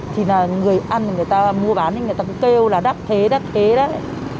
thì là người ăn người ta mua bán thì người ta cứ kêu là đắt thế đắt thế đấy